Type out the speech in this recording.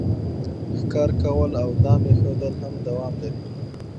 ښکار کول او دام ایښودل هم دوام لري